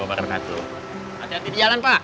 hati hati di jalan pak